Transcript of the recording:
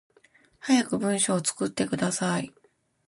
早く文章作ってください